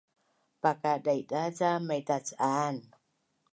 Pakadaidaz ca maitac’an